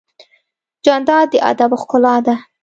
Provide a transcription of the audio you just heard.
جانداد د ادب ښکلا ده.